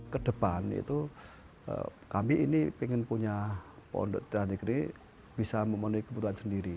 kedepan itu kami ini ingin punya pondok dan negeri bisa memenuhi kebutuhan sendiri